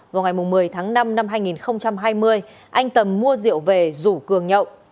vào ngày một mươi tháng năm năm hai nghìn hai mươi anh tầm mua rượu về rủ cường nhậu